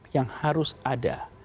yang harus ada